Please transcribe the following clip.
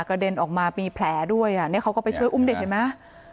เด็นออกมามีแผลด้วยอ่ะนี่เขาก็ไปช่วยอุ้มเด็กเห็นไหม